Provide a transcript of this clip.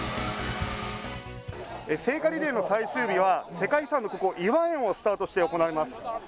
聖火リレーの最終日は、世界遺産のここ、頤和園をスタートして行われます。